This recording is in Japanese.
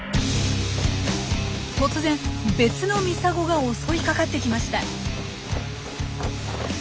突然別のミサゴが襲いかかってきました！